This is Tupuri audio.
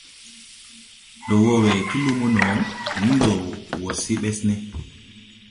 Ndɔ wɔ we ti lumo no, nii ndɔ wɔ se Ɓɛsne.